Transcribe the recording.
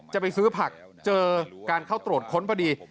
จะไปซื้อผักเจอการเข้าตรวจค้นพอดี